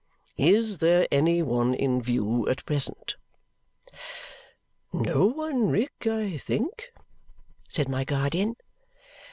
Is there any one in view at present?" "No one, Rick, I think?" said my guardian.